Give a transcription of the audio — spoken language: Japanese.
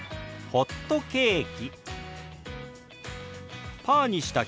「ホットケーキ」。